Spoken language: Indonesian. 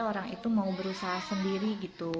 orang itu mau berusaha sendiri gitu